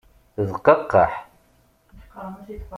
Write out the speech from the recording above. D qaqqaḥ!